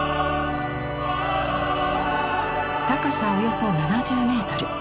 高さおよそ７０メートル。